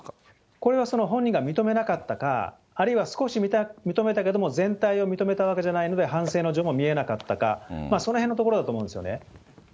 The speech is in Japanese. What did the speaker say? これは本人が認めなかったか、あるいは少し認めたけども、全体を認めたわけじゃないので反省の情も見えなかったか、そのへんのところだと思うんですよね。